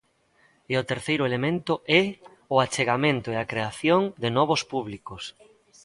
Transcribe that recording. E o terceiro elemento é o achegamento e a creación de novos públicos.